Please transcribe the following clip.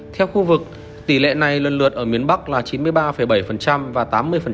theo khu vực tỷ lệ này lần lượt ở miền bắc là chín mươi ba bảy và tám mươi